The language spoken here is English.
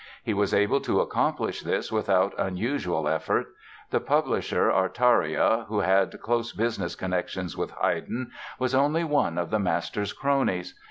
He was able to accomplish this without unusual effort. The publisher, Artaria, who had close business connections with Haydn, was only one of the master's cronies.